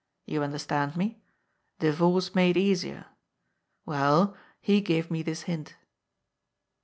You understand me. Divorce made easier. Well, he gave me this hint."